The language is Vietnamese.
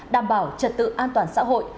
đảm bảo trật tự an toàn xã hội